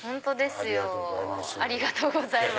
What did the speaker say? ありがとうございます。